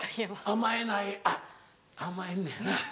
甘えないあっ甘えんねやな。